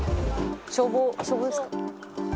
消防ですか？